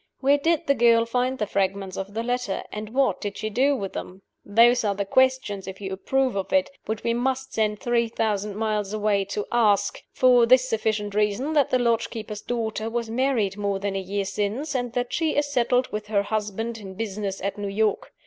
Where did the girl find the fragments of the letter? and what did she do with them? Those are the questions (if you approve of it) which we must send three thousand miles away to ask for this sufficient reason, that the lodge keeper's daughter was married more than a year since, and that she is settled with her husband in business at New York.